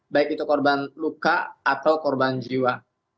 baik itu korban luka atau korban jiwa